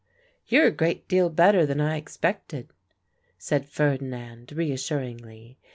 "You're a great deal better than I expected," said Ferdinand reassuringly.